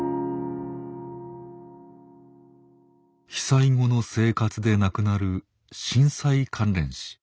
被災後の生活で亡くなる震災関連死。